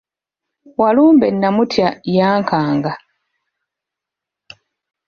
Walumbe namutya yankanga.